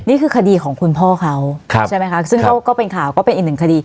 นี่คือคดีของคุณพ่อเขาใช่ไหมคะซึ่งก็เป็นข่าวก็เป็นอีกหนึ่งคดี